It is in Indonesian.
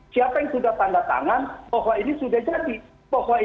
siapa yang sudah tanda tangan bahwa ini sudah jadi